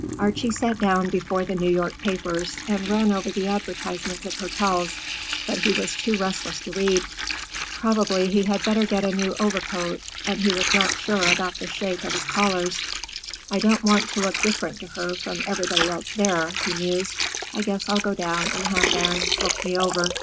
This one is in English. Archie sat down before the New York papers and ran over the advertisements of hotels, but he was too restless to read. Probably he had better get a new overcoat, and he was not sure about the shape of his collars. "I don't want to look different to her from everybody else there," he mused. "I guess I'll go down and have Van look me over.